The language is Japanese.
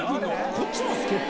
こっちも助っ人？